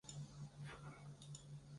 乾隆六十年。